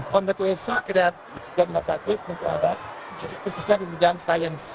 contatuation kreatif dan inovatif untuk ada khususnya di bidang sains